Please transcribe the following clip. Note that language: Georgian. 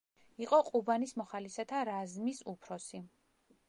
იყო ყუბანის მოხალისეთა რაზმის უფროსი.